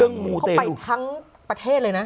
เขาไปทั้งประเทศเลยนะ